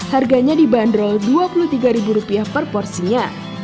harganya dibanderol rp dua puluh tiga per porsinya